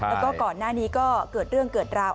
แล้วก็ก่อนหน้านี้ก็เกิดเรื่องเกิดราว